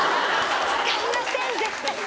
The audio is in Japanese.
使いません絶対。